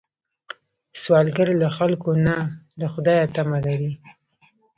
سوالګر له خلکو نه، له خدایه تمه لري